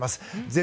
全